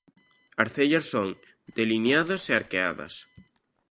As cellas son delineadas e arqueadas.